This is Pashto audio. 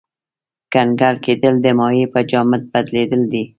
کنګل کېدل د مایع په جامد بدلیدل دي.